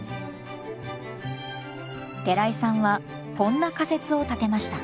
寺井さんはこんな仮説を立てました。